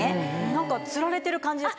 何かつられてる感じです